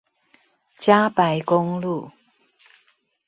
嘉白公路